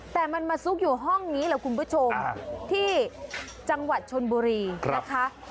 แต่มันมาซุกอยู่ห้องนี้แหละคุณผู้ชมที่จังหวัดชนบุรีนะคะ